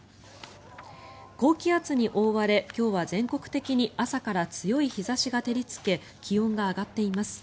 高気圧に覆われ今日は全国的に朝から強い日差しが照りつけ気温が上がっています。